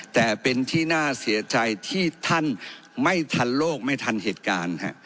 แต่เป็นที่น่าเสียใจที่ท่านไม่ทันโลกไม่ทันเหตุการณ์